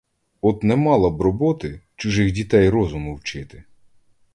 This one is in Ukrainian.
От, не мала б роботи, чужих дітей розуму вчити!